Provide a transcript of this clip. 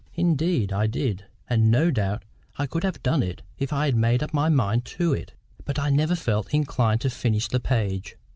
"Indeed, I did; and no doubt I could have done it if I had made up my mind to it. But I never felt inclined to finish the page.